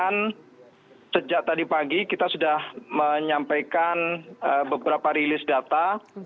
saya ingin sampaikan sejak tadi pagi kita sudah menyampaikan beberapa rilis data